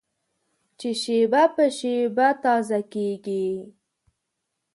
چې شېبه په شېبه تازه کېږي.